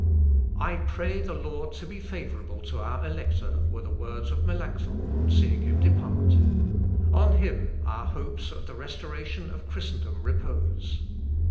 "I pray the Lord to be favourable to our Elector," were the words of Melancthon on seeing him depart; "on him our hopes of the restoration of Christendom repose.